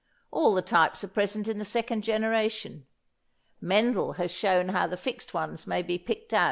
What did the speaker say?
All the types are present in the second generation. Mendel has shown how the fixed ones may be picked out.